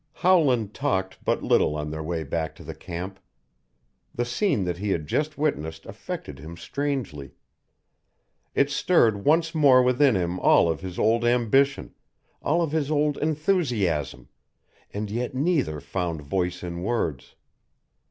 Howland talked but little on their way back to camp. The scene that he had just witnessed affected him strangely; it stirred once more within him all of his old ambition, all of his old enthusiasm, and yet neither found voice in words.